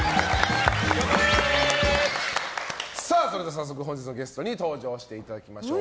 早速、本日のゲストに登場していただきましょう。